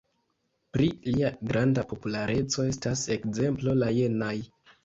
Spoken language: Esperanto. Pri lia granda populareco estas ekzemplo la jenaj.